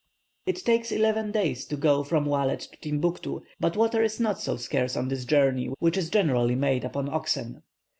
It takes eleven days to go from Walet to Timbuctoo, but water is not so scarce on this journey, which is generally made upon oxen.